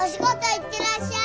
行ってらっしゃい。